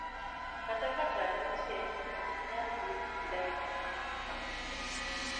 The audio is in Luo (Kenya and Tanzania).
Kata ka taya nitie to ok nyal bet ler kaka ma